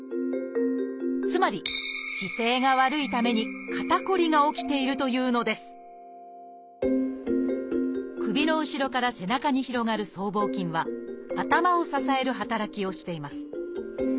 つまり姿勢が悪いために肩こりが起きているというのです首の後ろから背中に広がる僧帽筋は頭を支える働きをしています。